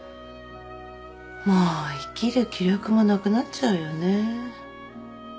もう生きる気力もなくなっちゃうよね。